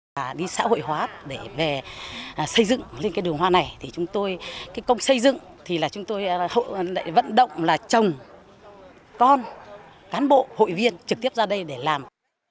chúng tôi xây dựng lên đường hoa này công xây dựng thì chúng tôi vận động là chồng con cán bộ hội viên trực tiếp ra đây để làm